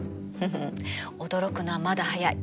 フフン驚くのはまだ早い。